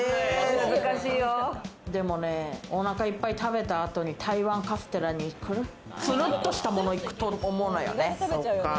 でもね、お腹いっぱい食べた後に台湾カステラに行く？ツルッとしたものに行くと思うのよね。